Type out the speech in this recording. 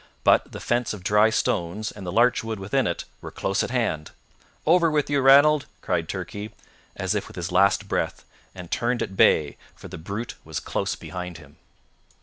But the fence of dry stones, and the larch wood within it, were close at hand. "Over with you, Ranald!" cried Turkey, as if with his last breath; and turned at bay, for the brute was close behind him.